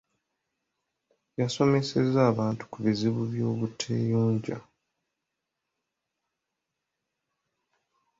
Yasomesezza abantu ku buzibu bw'obuteeyonja.